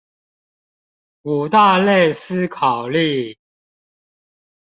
五大類思考力